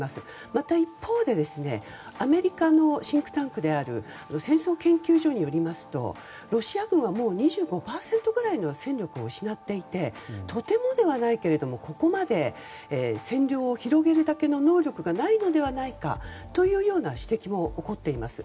また、一方でアメリカのシンクタンクである戦争研究所によりますとロシア軍はもう、２５％ぐらいの戦力を失っていてとてもではないけれどもここまで占領を広げるだけの能力がないのではないかというような指摘も起こっています。